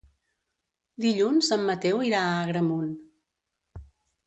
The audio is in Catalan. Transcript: Dilluns en Mateu irà a Agramunt.